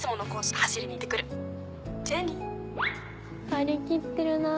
張り切ってるなぁ